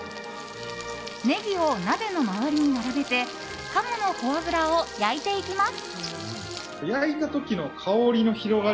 ネギを鍋の周りに並べてカモのフォアグラを焼いていきます。